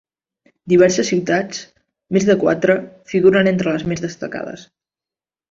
Diverses ciutats, més de quatre, figuren entre les més destacades.